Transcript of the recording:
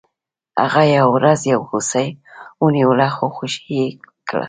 هغه یوه ورځ یو هوسۍ ونیوله خو خوشې یې کړه.